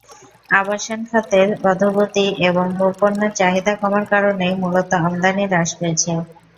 আবাসন খাতের অধোগতি এবং ভোগ্যপণ্যের চাহিদা কমার কারণেই মূলত আমদানি হ্রাস পেয়েছে।